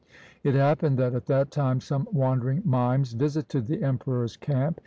It happened that at that time some wandering mimes visited the Emperor's camp.